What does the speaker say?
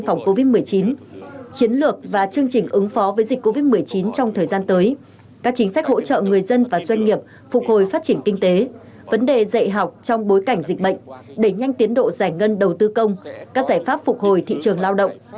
phòng covid một mươi chín chiến lược và chương trình ứng phó với dịch covid một mươi chín trong thời gian tới các chính sách hỗ trợ người dân và doanh nghiệp phục hồi phát triển kinh tế vấn đề dạy học trong bối cảnh dịch bệnh đẩy nhanh tiến độ giải ngân đầu tư công các giải pháp phục hồi thị trường lao động